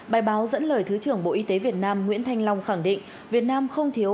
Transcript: bài báo dẫn lời thứ trưởng bộ y tế việt nam nguyễn thanh long khẳng định việt nam không thiếu